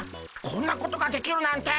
こんなことができるなんて。